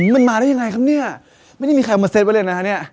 มันมาได้ยังไงครับเนี่ยไม่ได้มีใครมาเซตไว้เลยนะฮะเนี่ย